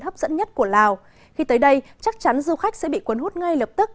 hấp dẫn nhất của lào khi tới đây chắc chắn du khách sẽ bị cuốn hút ngay lập tức